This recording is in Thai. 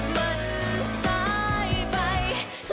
มันซ้ายไป